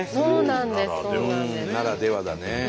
ならではだね。